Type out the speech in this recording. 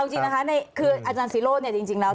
เอาจริงนะคะคืออาจารย์ศิโรธจริงแล้ว